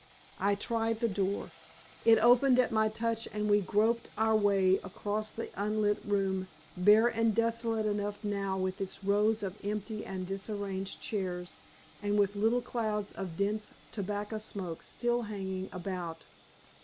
I tried the door. It opened at my touch and we groped our way across the unlit room, bare and desolate enough now with its rows of empty and disarranged chairs, and with little clouds of dense tobacco smoke still hanging about.